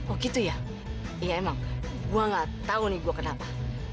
oh gitu ya iya emang gue gak tau nih gue kenapa